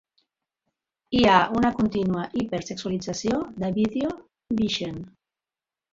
Hi ha una contínua hipersexualització de vídeo vixen.